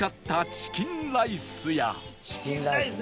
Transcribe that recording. チキンライスね。